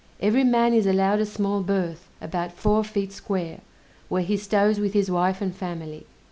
Every man is allowed a small berth, about four feet square, where he stows with his wife and family.